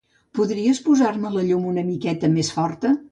Podries posar-me la llum una miqueta més forta?